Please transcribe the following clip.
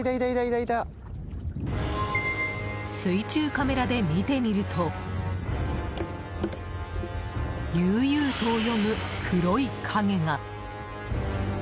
水中カメラで見てみると悠々と泳ぐ黒い影が。